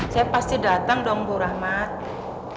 saya pasti datang dong bu rahmat